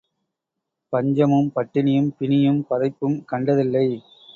பஞ்சமும், பட்டினியும், பிணியும், பதைப்பும், கண்டதில்லை.